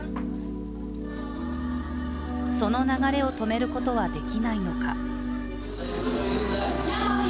その流れを止めることはできないのか。